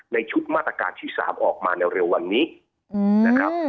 ในชุดมาตรการที่๓ออกมาเร็ววันนี้นะครับ